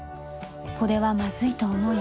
これはまずいと思い